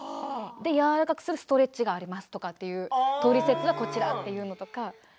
やわらかくするストレッチがありますというトリセツがこちらというのとか。